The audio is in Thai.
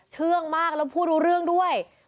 เชื่องมากแล้วพูดรู้เรื่องด้วย